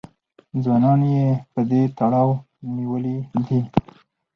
ځوانان یې په دې تړاو نیولي دي